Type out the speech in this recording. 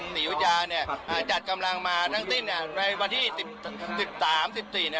สี่วิทยาเนี่ยอ่าจัดกำลังมาทั้งสิ้นเนี่ยในวันที่สิบสามสิบสี่เนี่ย